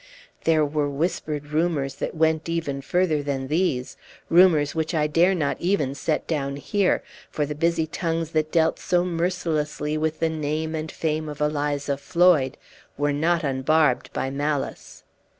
There were whispered rumors that went even farther than these rumors which I dare not even set down here, for the busy tongues that dealt so mercilessly with the name and fame of Eliza Floyd were not unbarbed by malice.